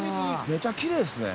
めちゃきれいですね。